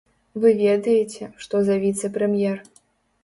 Вы ведаеце, што за віцэ-прэм'ер.